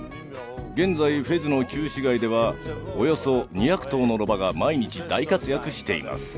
現在フェズの旧市街ではおよそ２００頭のロバが毎日大活躍しています。